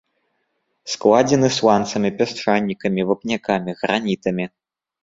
Складзены сланцамі, пясчанікамі, вапнякамі, гранітамі.